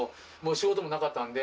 仕事もなかったんで。